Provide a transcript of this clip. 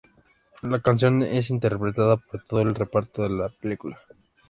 La canción es interpretada por todo el reparto de la película.